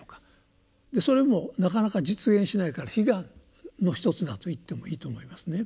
それもなかなか実現しないから「悲願」の一つだと言ってもいいと思いますね。